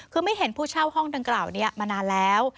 คือไม่เห็นผู้เช่าห้องดังกล่าวนี้มานานแล้ว